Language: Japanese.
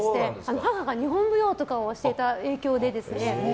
母が日本舞踊とかをしていた影響でですね。